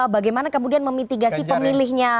bagaimana kemudian memitigasi pemilihnya